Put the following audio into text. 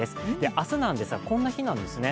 明日なんですがこんな日なんですね。